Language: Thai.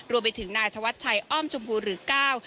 รวมไปถึงนายธวัชชัยอ้อมชมพูหรือก้าว